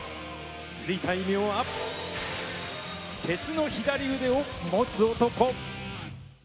付いた異名は鉄の左腕を持つ男。